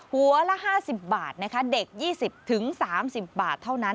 หัวละ๕๐บาทนะคะเด็ก๒๐๓๐บาทเท่านั้น